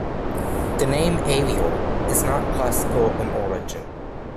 The name "Avior" is not classical in origin.